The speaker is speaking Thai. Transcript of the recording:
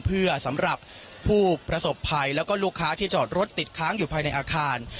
เพื่อสำหรับผู้ประสบภัยแล้วก็ลูกค้าที่จอดรถติดค้างอยู่ภายในอาคาร